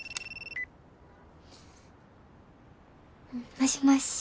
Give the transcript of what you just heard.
もしもし。